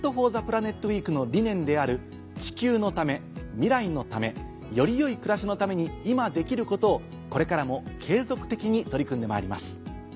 ウィークの理念である地球のため未来のためより良い暮らしのために今できることをこれからも継続的に取り組んでまいります。